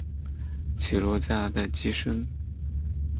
起落架在机身。